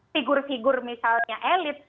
figur figur misalnya elit